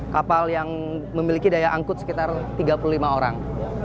kapal yang memiliki daya angkut sekitar tiga puluh lima orang